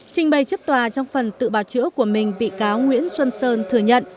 trình bày trước tòa trong phần tự bào chữa của mình bị cáo nguyễn xuân sơn thừa nhận